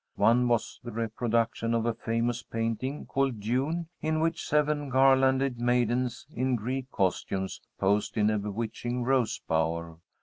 One was the reproduction of a famous painting called June, in which seven garlanded maidens in Greek costumes posed in a bewitching rose bower.